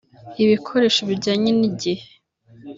ibikoresho bijyanye n’igihe